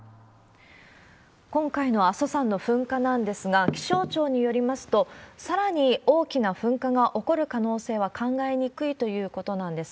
今回の阿蘇山の噴火なんですが、気象庁によりますと、さらに大きな噴火が起こる可能性は考えにくいということなんです。